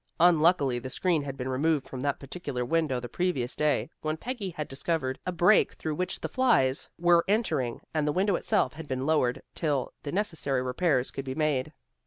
Unluckily the screen had been removed from that particular window the previous day, when Peggy had discovered a break through which the flies were entering, and the window itself had been lowered till the necessary repairs could be made.